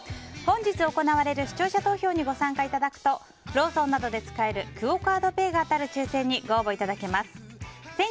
本日行われる視聴者投票にご参加いただくとローソンなどで使えるクオ・カードペイが当たる抽選にご応募いただけます。